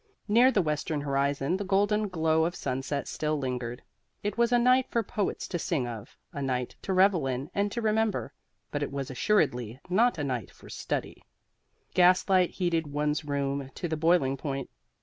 Near the western horizon the golden glow of sunset still lingered. It was a night for poets to sing of, a night to revel in and to remember; but it was assuredly not a night for study. Gaslight heated one's room to the boiling point.